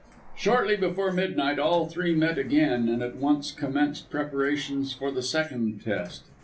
Shortly before midnight all three met again, and at once commenced preparations for the second test.